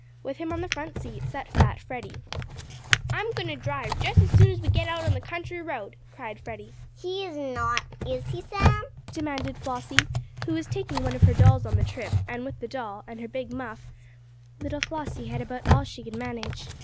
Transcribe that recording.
With him on the front seat sat fat Freddie. "I'm going to drive, as soon as we get out on the country road!" cried Freddie. "He is not; is he, Sam?" demanded Flossie, who was taking one of her dolls on the trip, and with the doll, and her big muff, little Flossie had about all she could manage.